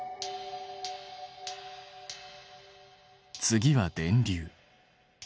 次は電流。